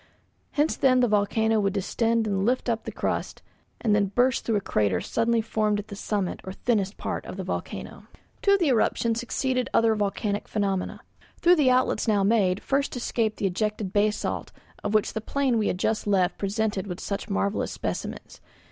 Hence then the volcano would distend and lift up the crust, and then burst through a crater suddenly formed at the summit or thinnest part of the volcano. To the eruption succeeded other volcanic phenomena. Through the outlets now made first escaped the ejected basalt of which the plain we had just left presented such marvellous specimens.